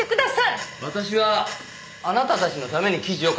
私はあなたたちのために記事を書き続けてきたんだ。